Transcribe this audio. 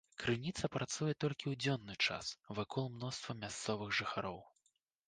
Крыніца працуе толькі ў дзённы час, вакол мноства мясцовых жыхароў.